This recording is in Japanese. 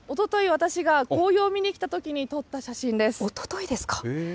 私が紅葉を見に来たときに撮った写真です。